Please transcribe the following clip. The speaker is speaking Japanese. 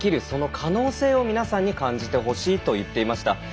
その可能性を皆さんに感じてほしいと言っていました。